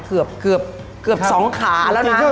เกือบ๒ขาแล้วนะ